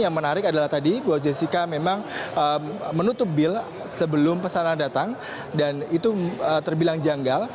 yang menarik adalah tadi bahwa jessica memang menutup bil sebelum pesanan datang dan itu terbilang janggal